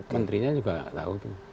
menterinya juga nggak tahu tuh